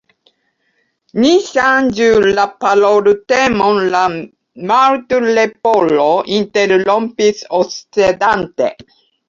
"Ni ŝanĝu la paroltemon," la Martleporo interrompis, oscedante.